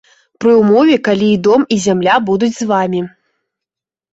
Пры ўмове, калі і дом, і зямля будуць з вамі!